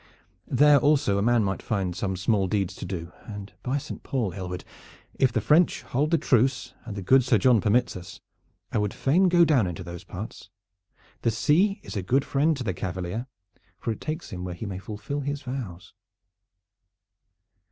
There also a man might find some small deeds to do, and by Saint Paul! Aylward, if the French hold the truce and the good Sir John permits us, I would fain go down into those parts. The sea is a good friend to the cavalier, for it takes him where he may fulfil his vows."